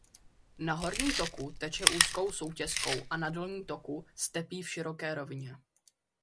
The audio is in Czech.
Na horním toku teče úzkou soutěskou a na dolním toku stepí v široké rovině.